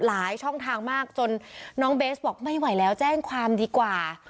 ช่องทางมากจนน้องเบสบอกไม่ไหวแล้วแจ้งความดีกว่า